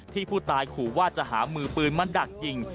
ที่ผู้ตายขู่ว่าจะหามือปืนมาดักยิง